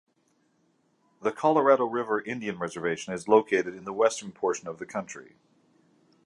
The Colorado River Indian Reservation is located in the western portion of the county.